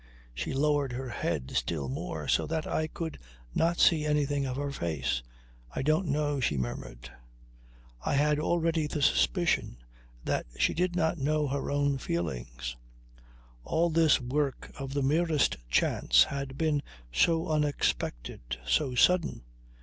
She lowered her head still more so that I could not see anything of her face. "I don't know," she murmured. I had already the suspicion that she did not know her own feelings. All this work of the merest chance had been so unexpected, so sudden.